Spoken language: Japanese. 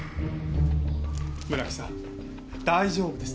村木さん大丈夫です。